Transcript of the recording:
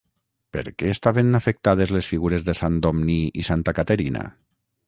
Per què estaven afectades les figures de Sant Domní i Santa Caterina?